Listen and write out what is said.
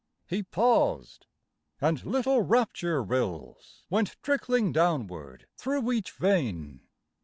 He paused, and little rapture rills Went trickling downward through each vein.